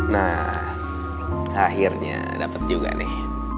nah akhirnya dapat juga nih